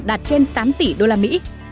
đạt trên tám tỷ usd